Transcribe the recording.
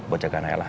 buat jaga nayla